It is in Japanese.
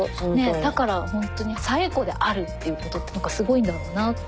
だからほんとに紗栄子であるっていうことって何かすごいんだろうなって。